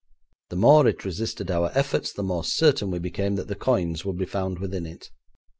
The more it resisted our efforts, the more certain we became that the coins would be found within it.